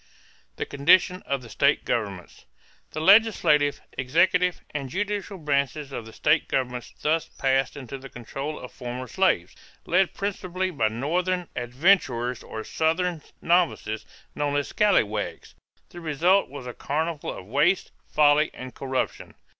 =The Condition of the State Governments.= The legislative, executive, and judicial branches of the state governments thus passed into the control of former slaves, led principally by Northern adventurers or Southern novices, known as "Scalawags." The result was a carnival of waste, folly, and corruption.